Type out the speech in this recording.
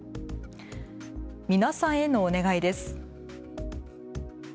皆さんへのお願いです。